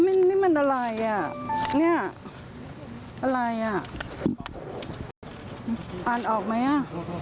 นี่มันอะไรอ่ะเนี่ยอะไรอ่ะอ่านออกไหมอ่ะ